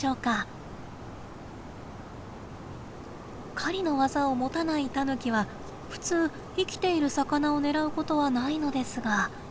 狩りの技を持たないタヌキは普通生きている魚を狙うことはないのですが。